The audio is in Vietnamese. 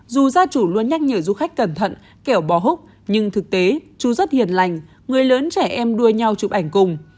dù gia chủ luôn nhắc nhở du khách cẩn thận kẻo bò húc nhưng thực tế chú rất hiền lành người lớn trẻ em đua nhau chụp ảnh cùng